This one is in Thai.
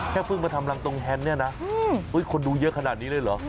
เพิ่งมาทำรังตรงแฮนด์เนี่ยนะคนดูเยอะขนาดนี้เลยเหรอ